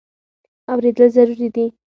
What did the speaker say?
اورېدل ضروري دی.